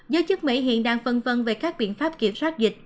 giới chức mỹ hiện đang phân vân về các biện pháp kiểm soát dịch